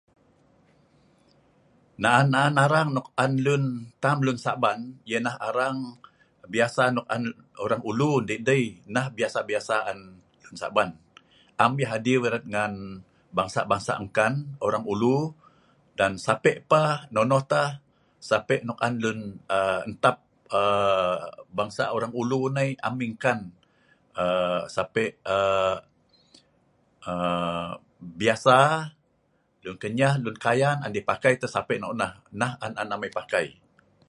Na..nan..nan arang nok an lun tam lun Sa'ban, yah nah arang, biasa nok an Orang Ulu yah dei, nah biasa biasa an Sa'ban. Am yah adiu erat ngan bangsa bangsa engkan, Orang Ulu dan Sa'pe pah nonoh tah Sa'pe nok an lun um ntap um bangsa Orang Ulu nai am yah engkan. um. Sa'pe um um biasa Lun Kenyah, Lun Kayan an deh pakai tah Sa'pe nok nah, nah an amai pakai